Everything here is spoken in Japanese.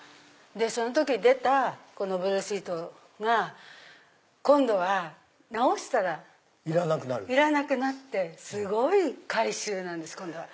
その時出たこのブルーシートが今度は直したらいらなくなってすごい回収なんです。